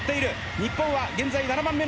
日本は現在７番目。